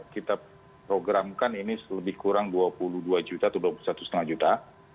kita programkan ini lebih kurang dua puluh dua juta atau dua puluh satu lima juta